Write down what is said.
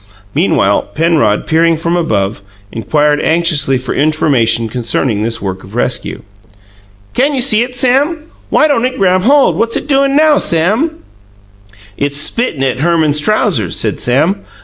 Meanwhile, Penrod, peering from above, inquired anxiously for information concerning this work of rescue. "Can you see it, Sam? Why don't it grab hold? What's it doin' now, Sam?" "It's spittin' at Herman's trousers," said Sam.